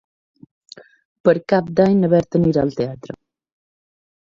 Per Cap d'Any na Berta anirà al teatre.